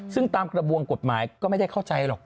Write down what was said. ซึ่งตามกระบวนกฎหมายก็ไม่ได้เข้าใจหรอก